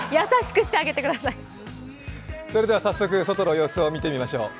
早速外の様子を見てみましょう。